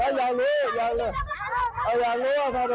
พูดออกแบบนี้แหละ